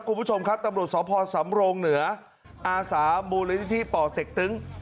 คุณผู้ชมครับตำรวจสพสำรงเหนืออาสามูลนิธิป่อเต็กตึ้ง